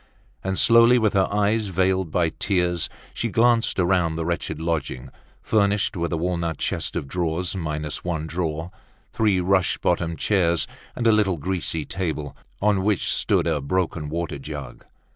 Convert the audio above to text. And slowly, with her eyes veiled by tears, she glanced round the wretched lodging, furnished with a walnut chest of drawers, minus one drawer, three rush bottomed chairs, and a little greasy table, on which stood a broken water jug.